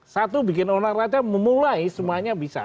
satu bikin orang raja memulai semuanya bisa